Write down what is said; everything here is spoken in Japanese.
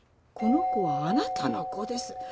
この子はあなたの子です」